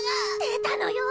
出たのよ！